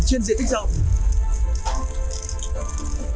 trên diện tích rộng